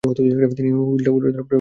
তিনি হিলডা ডুলিটলের প্রেমে পড়েন।